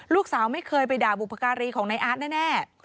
ลูกสาวไม่เคยไปด่าบุพการีของนายอาร์ตแน่